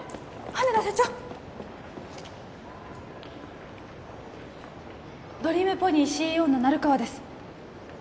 羽田社長ドリームポニーＣＥＯの成川です